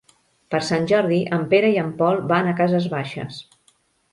Per Sant Jordi en Pere i en Pol van a Cases Baixes.